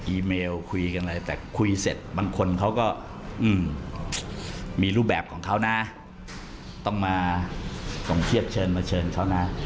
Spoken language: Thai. เมลคุยกันอะไรแต่คุยเสร็จบางคนเขาก็มีรูปแบบของเขานะต้องมาส่งเทียบเชิญมาเชิญเขานะ